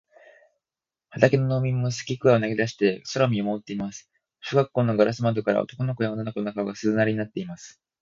畑の農民もすきくわを投げだして空を見まもっています。小学校のガラス窓からは、男の子や女の子の顔が、鈴なりになっています。